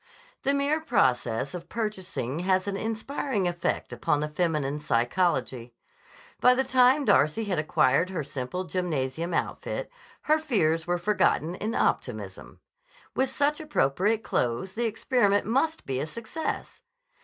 The mere process of purchasing has an inspiriting effect upon the feminine psychology. By the time Darcy had acquired her simple gymnasium outfit, her fears were forgotten in optimism. With such appropriate clothes the experiment must be a success!